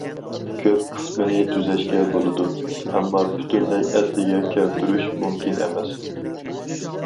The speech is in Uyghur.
كۆپ قىسمىنى تۈزەشكە بولىدۇ، ئەمما پۈتۈنلەي ئەسلىگە كەلتۈرۈش مۇمكىن ئەمەس.